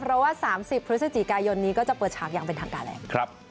เพราะว่า๓๐พฤศจิกายนนี้ก็จะเปิดฉากอย่างเป็นทางการแล้ว